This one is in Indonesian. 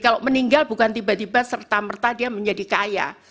kalau meninggal bukan tiba tiba serta merta dia menjadi kaya